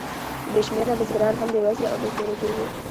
بې شمېره بزګران هم بېوزله او بې کوره کېږي